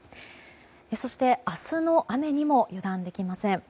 そして明日の雨にも油断できません。